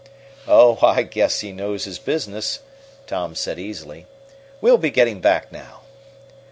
"Oh, I guess he knows his business," Tom said easily. "We'll be getting back now."